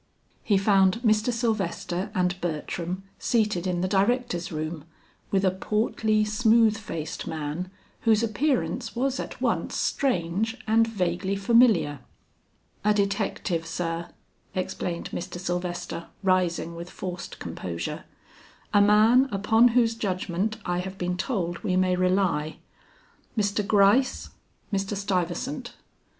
He found Mr. Sylvester and Bertram seated in the directors' room, with a portly smooth faced man whose appearance was at once strange and vaguely familiar. "A detective, sir," explained Mr. Sylvester rising with forced composure; "a man upon whose judgment I have been told we may rely. Mr. Gryce, Mr. Stuyvesant."